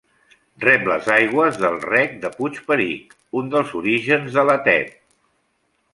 Rep les aigües del Rec de Puig Peric, un dels orígens de la Tet.